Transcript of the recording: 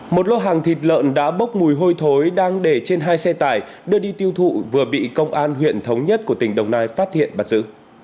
một lô hàng thịt lợn đã bốc mùi hôi thối đang để trên hai xe tải đưa đi tiêu thụ vừa bị công an huyện thống nhất của tỉnh đồng nai phát hiện bắt giữ